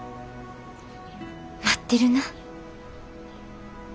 待ってるな。